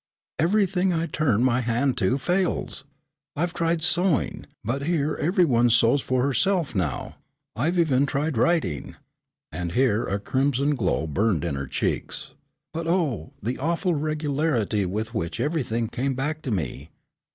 Everything I turn my hand to fails. I've tried sewing, but here every one sews for herself now. I've even tried writing," and here a crimson glow burned in her cheeks, "but oh, the awful regularity with which everything came back to me.